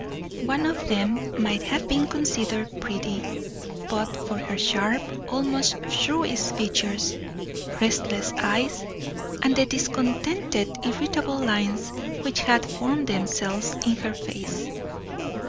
One of them might have been considered pretty, but for her sharp, almost shrewish features, restless eyes, and the discontented, irritable lines which had formed themselves in her face.